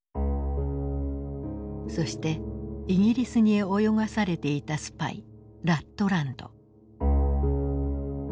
そしてイギリスに泳がされていたスパイラットランド。